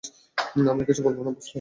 আমরা কিচ্ছু বলবো না, বুঝলে?